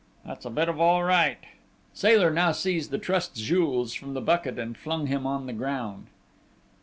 "That's a bit of all right!" Sailor now seized the trussed Jules from the bucket and flung him on the ground.